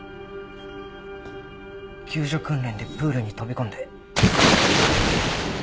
救助訓練でプールに飛び込んで。